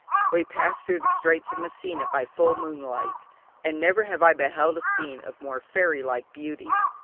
We passed through the Straits of Messina by full moonlight, and never have I beheld a scene of more fairylike beauty.